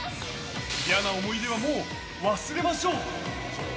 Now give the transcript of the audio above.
嫌な思い出はもう、忘れましょう。